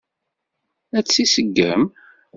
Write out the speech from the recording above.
Ad tt-iseggem?